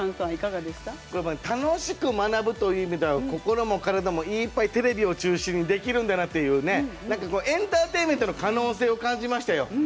楽しく学ぶという意味では心も体もいっぱいテレビを中心にできるんだなってエンターテインメントの可能性を感じましたよ。